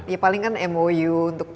ya paling kan mou untuk